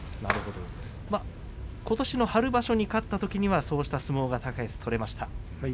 ことしの春場所に勝ったときにはそういった相撲が高安取れました。